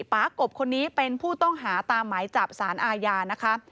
ปากบคนนี้เป็นผู้ต้องหาตามหมายจับสารอาญานะคะ